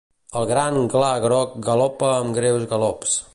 El gran gla groc galopa amb greus galops.